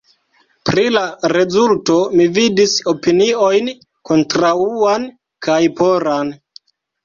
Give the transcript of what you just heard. Pri la rezulto mi vidis opiniojn kontraŭan kaj poran.